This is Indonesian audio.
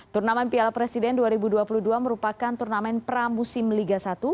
turnamen piala presiden dua ribu dua puluh dua merupakan turnamen pramusim liga satu